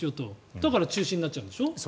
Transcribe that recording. だから中止になっちゃうんでしょ。